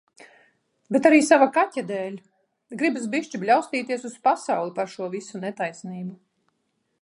Bet arī sava kaķa dēļ. Gribas bišķi bļaustīties uz pasauli par šo visu netaisnību.